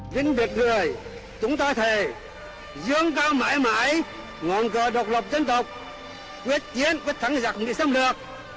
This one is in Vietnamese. vinh việt người chúng ta thề dương cao mãi mãi ngọn cờ độc lập dân tộc quyết chiến với thắng giặc bị xâm lược